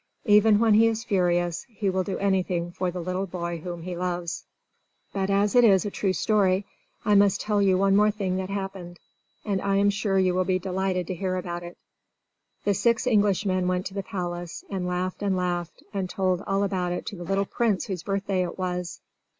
Even when he is furious, he will do anything for the little boy whom he loves. But as it is a true story, I must tell you one more thing that happened and I am sure you will be delighted to hear about it. The six Englishmen went to the palace, and laughed and laughed, and told all about it to the little Prince whose birthday it was.